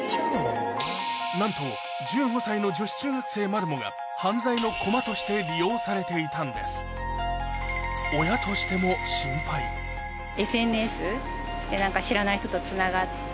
なんと１５歳の女子中学生までもが犯罪の駒として利用されていたんですやっぱり。